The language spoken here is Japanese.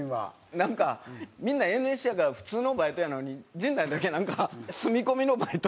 なんかみんなＮＳＣやから普通のバイトやのに陣内だけなんか住み込みのバイト。